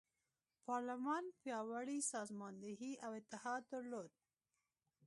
پارلمان پیاوړې سازماندهي او اتحاد درلود.